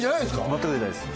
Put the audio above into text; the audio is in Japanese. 全く出てないです。